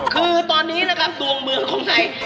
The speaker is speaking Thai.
คือตอนนี้นะครับดวงเมืองของไทย